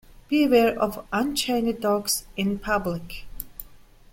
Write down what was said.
Beware of unchained dogs in public.